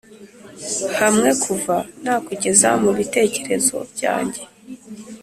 hamwe kuva nakugeza mubitekerezo byanjye